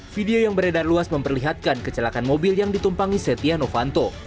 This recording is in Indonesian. video yang beredar luas memperlihatkan kecelakaan mobil yang ditumpangi setia novanto